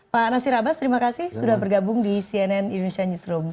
pak nasir abbas terima kasih sudah bergabung di cnn indonesia newsroom